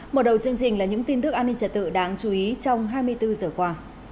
mở đầu chương trình là những tin tức an ninh trật tự đáng chú ý trong hai mươi bốn giờ qua